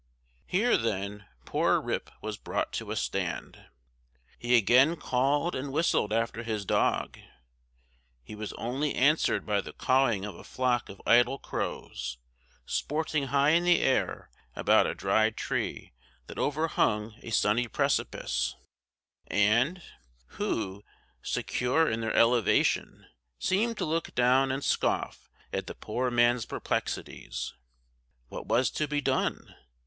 Here, then, poor Rip was brought to a stand. He again called and whistled after his dog; he was only answered by the cawing of a flock of idle crows, sporting high in the air about a dry tree that overhung a sunny precipice; and who, secure in their elevation, seemed to look down and scoff at the poor man's perplexities. What was to be done?